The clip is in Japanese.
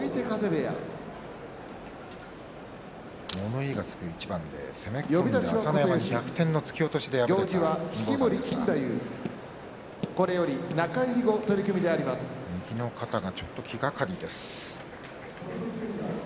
物言いがつく一番で攻め込んで朝乃山に逆転の突き落としで敗れた金峰山ですが右の肩がちょっと気がかりです。